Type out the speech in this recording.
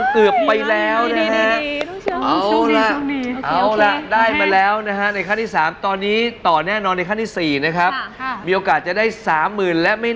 เกือบไปแล้วถ้าไม่ใช้ดาวนี่